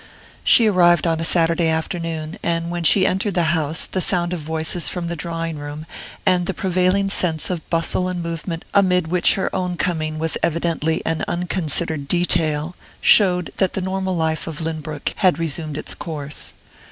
She arrived on a Saturday afternoon, and when she entered the house the sound of voices from the drawing room, and the prevailing sense of bustle and movement amid which her own coming was evidently an unconsidered detail, showed that the normal life of Lynbrook had resumed its course.